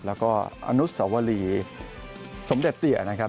แล้วก็อนุสวรีสมเด็จเตียนะครับ